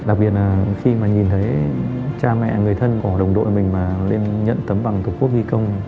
đặc biệt là khi mà nhìn thấy cha mẹ người thân của đồng đội mình mà lên nhận tấm bằng tổ quốc ghi công